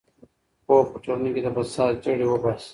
پوهه په ټولنه کې د فساد جرړې وباسي.